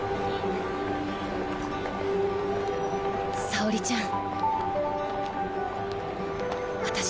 沙織ちゃん